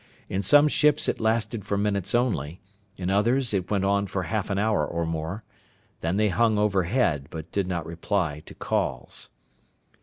In some ships it lasted for minutes only. In others it went on for half an hour or more. Then they hung overhead, but did not reply to calls.